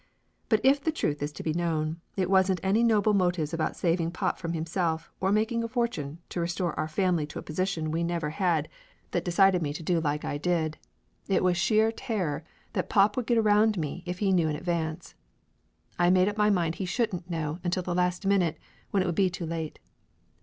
But if the truth is to be known, it wasn't any noble motives about saving pop from himself or making a fortune to restore our family to a position we never Laughter Limited 51 had that decided me to do like I did. It was sheer terror that pop would get around me if he knew in advance. I made up my mind he shouldn't know until the last minute, when it would be too late.